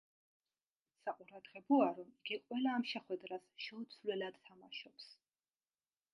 საყურადღებოა, რომ იგი ყველა ამ შეხვედრას შეუცვლელად თამაშობს.